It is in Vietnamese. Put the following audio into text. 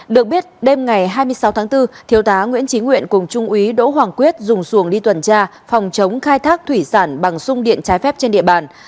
được biết đêm ngày hai mươi sáu tháng bốn thiếu tá nguyễn trí nguyện cùng trung úy đỗ hoàng quyết dùng xuồng đi tuần tra phòng chống khai thác thủy sản bằng sung điện trái phép trên địa bàn